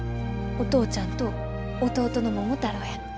お父ちゃんと弟の桃太郎や。